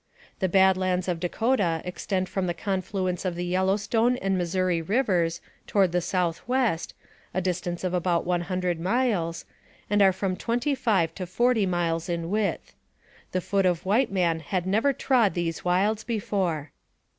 The Bad Lands of Dakota extend from the con fluence of the Yellow Stone and Missouri Rivers toward the south west, a distance of about one hundred miles, and are from twenty five to forty miles in width. The foot of white man had never trod these wilds before.